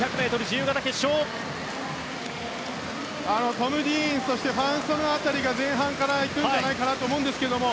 トム・ディーンファン・ソヌ辺りが前半からいくんじゃないかと思うんですが。